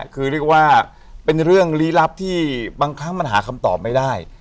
คือเรียกว่าเป็นเรื่องลี้ลับที่บางครั้งมันหาคำตอบไม่ได้